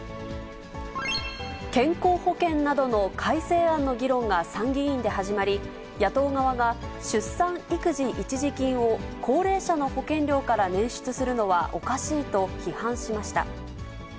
健康保険などの改正案の議論が参議院で始まり、野党側が出産育児一時金を高齢者の保険料から捻出するのはおかしいと批判しました。